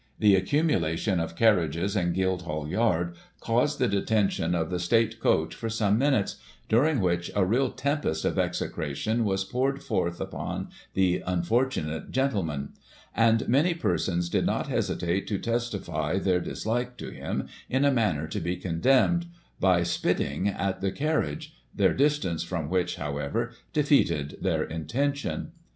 The accumulation of carriages in Guildhall Yard, caused the detention of the State coach for some minutes, during which a real tempest of execration was poured forth upon the unfortunate gentle man ; and many persons did not hesitate to testify their dis like to him in a manner to be condemned, by spitting at the carriage, their distance from which, however, defeated their Digiti ized by Google 1844] LORD MAYOR HISSED. 255 intention.